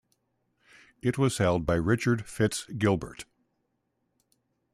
It was held by Richard Fitz Gilbert.